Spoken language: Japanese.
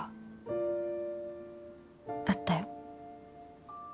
あったよ。